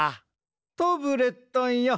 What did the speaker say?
タブレットンよ